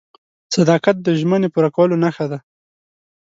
• صداقت د ژمنې پوره کولو نښه ده.